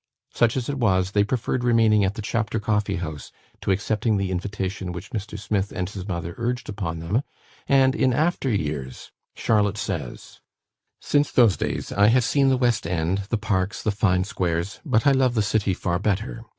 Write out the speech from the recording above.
Such as it was, they preferred remaining at the Chapter Coffee house, to accepting the invitation which Mr. Smith and his mother urged upon them, and, in after years, Charlotte says: "Since those days, I have seen the West End, the parks, the fine squares; but I love the City far better.